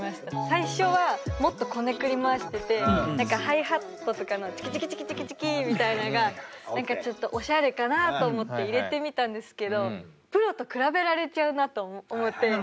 最初はもっとこねくり回してて何かハイハットとかのチキチキチキチキチキみたいなのがちょっとオシャレかなと思って入れてみたんですけどプロと比べられちゃうなと思って。